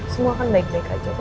semua kan baik baik aja pak